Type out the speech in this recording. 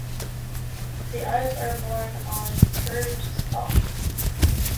The eyes are borne on curved stalks.